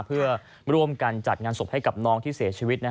เพื่อร่วมกันจัดงานศพให้กับน้องที่เสียชีวิต